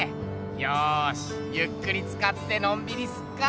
よしゆっくりつかってのんびりすっか。